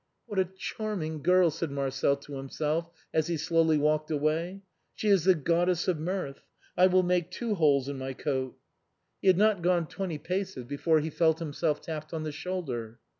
" What a charming girl," said Marcel to himself, as he slowly walked away ;" she is the Goddess of Mirth. I will make two holes in my coat." He had not gone twenty paces before he felt himself tapped on the shoulder.